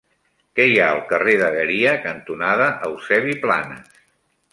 Què hi ha al carrer Dagueria cantonada Eusebi Planas?